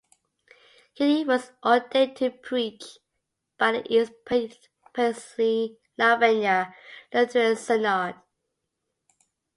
Keedy was ordained to preach by the East Pennsylvania Lutheran Synod.